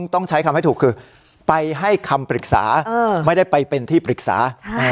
ต้องใช้คำให้ถูกคือไปให้คำปรึกษาไม่ได้ไปเป็นที่ปรึกษา